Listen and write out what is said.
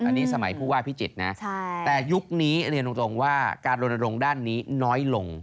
อันนี้สมัยผู้ว่าพิจิตรนะแต่ยุคนี้เรียนตรงว่าการรณรงค์ด้านนี้น้อยลง